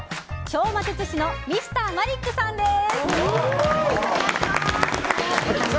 超魔術師のＭｒ．マリックさんです。